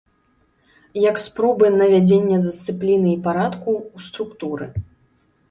Як спробы навядзення дысцыпліны і парадку ў структуры.